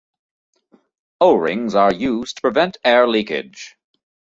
O-rings are used to prevent air leakage.